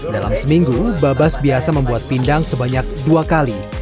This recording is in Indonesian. dalam seminggu babas biasa membuat pindang sebanyak dua kali